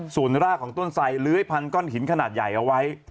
ส่วนรากของต้นไสเลื้อยพันก้อนหินขนาดใหญ่เอาไว้